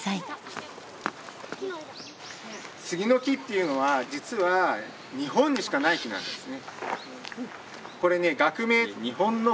杉の木っていうのは実は日本にしかない木なんですね。